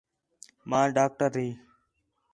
ماں ڈاکٹر ہی